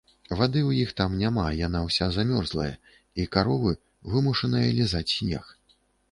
Вады ў іх там няма, яна ўся змёрзлая, і каровы вымушаныя лізаць снег.